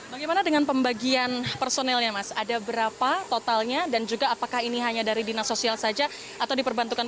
bagaimana dengan pembagian personelnya mas ada berapa totalnya dan juga apakah ini hanya dari dinas sosial saja atau diperbantukan